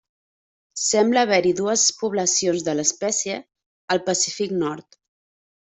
Sembla haver-hi dues poblacions de l'espècie al Pacífic nord.